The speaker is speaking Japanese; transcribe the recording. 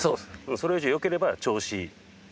それ以上よければ調子いい。